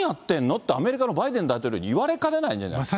って、アメリカのバイデン大統領に言われかねないんじゃないですか。